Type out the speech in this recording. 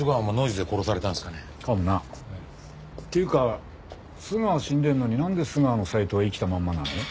っていうか須川死んでんのになんで須川のサイトは生きたまんまなの？